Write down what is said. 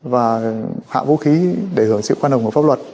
và hạ vũ khí để hưởng sự khoan hồng của pháp luật